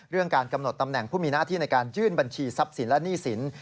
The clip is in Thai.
การกำหนดตำแหน่งผู้มีหน้าที่ในการยื่นบัญชีทรัพย์สินและหนี้สิน